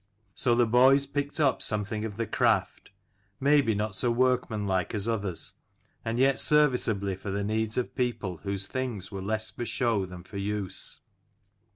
So the boys picked up something of the craft, maybe not so workmanlike as others, and yet serviceably for the needs of people whose things were less for show than for use.